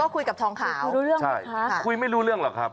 คุยกับทองขาวคุยไม่รู้เรื่องหรอกครับ